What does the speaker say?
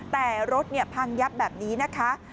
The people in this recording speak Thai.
แต่รถพังยับแบบนี้นะคะ